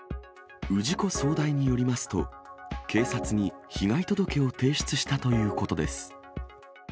氏子総代によりますと、警察に被害届を提出したということです。